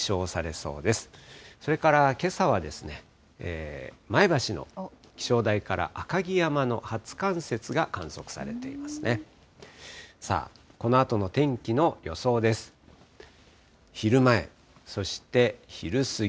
それからけさは、前橋の気象台から赤城山の初冠雪が観測されていますね。